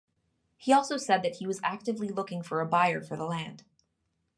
He also said that he was actively looking for a buyer for the land.